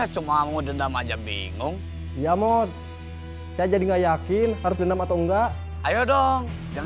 coba kamu kontak dia